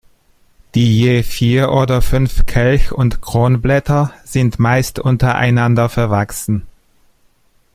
Die je vier oder fünf Kelch- und Kronblätter sind meist untereinander verwachsen.